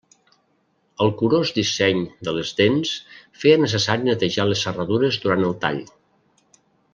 El curós disseny de les dents feia necessari netejar les serradures durant el tall.